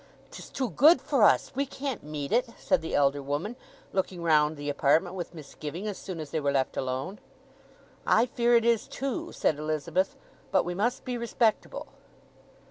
"'Tis too good for us—we can't meet it!" said the elder woman, looking round the apartment with misgiving as soon as they were left alone. "I fear it is, too," said Elizabeth. "But we must be respectable."